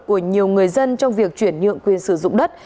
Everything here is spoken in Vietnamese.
của nhiều người dân trong việc chuyển nhượng quyền sử dụng đất